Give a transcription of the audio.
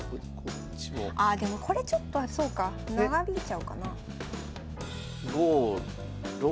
ああでもこれちょっとそうか長引いちゃうかな。